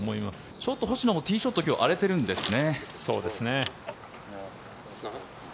ちょっと星野もティーショット荒れてるんですね。